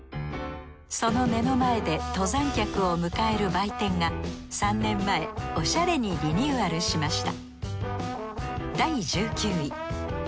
その目の前で登山客を迎える売店が３年前おしゃれにリニューアルしました